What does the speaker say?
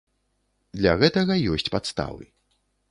Для гэтага ёсць падставы.